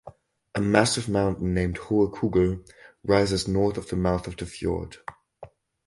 A massive mountain named Hohe Kugel rises north of the mouth of the fjord.